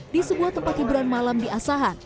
di sebuah tempat hiburan malam di asahan